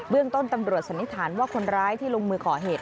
เรื่องต้นตำรวจสันนิษฐานว่าคนร้ายที่ลงมือก่อเหตุ